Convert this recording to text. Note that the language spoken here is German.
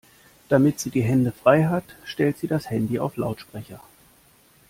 Damit sie die Hände frei hat, stellt sie das Handy auf Lautsprecher.